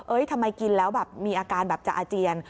ทำไมกินแล้วแบบมีอาการแบบจะอาเจียน